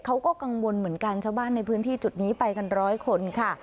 เขาก็กังวลเหมือนกันชาวบ้านในพื้นที่จุดนี้ไปกันร้อยคนค่ะ